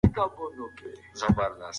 مهربان زړونه تل د الله تر رحم لاندې وي.